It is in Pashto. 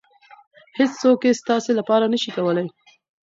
هېڅوک یې ستاسې لپاره نشي کولی.